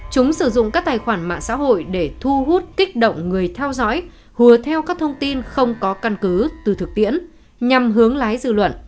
chúng sử dụng các tài khoản mạng xã hội để thu hút kích động người theo dõi hùa theo các thông tin không có căn cứ từ thực tiễn nhằm hướng lái dư luận